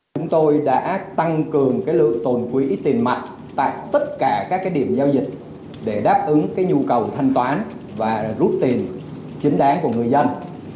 chúng tôi đã tăng cường lượng tồn quỹ tiền mặt tại tất cả các điểm giao dịch để đáp ứng nhu cầu thanh toán và rút tiền chính đáng của người dân